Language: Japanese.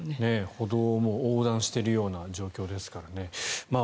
歩道も横断しているような状況ですからね。